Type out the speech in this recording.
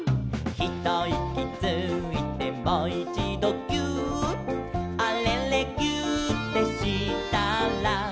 「ひといきついてもいちどぎゅーっ」「あれれぎゅーってしたら」